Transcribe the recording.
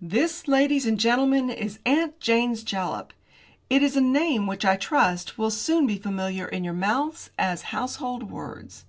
"This, ladies and gentlemen, is 'Aunt Jane's Jalap.' It is a name which I trust will soon be familiar in your mouths as household words.